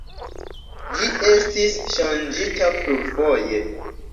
Ĝi estis ŝanĝita plurfoje.